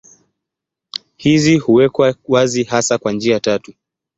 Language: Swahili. Hizi huwekwa wazi hasa kwa njia tatu.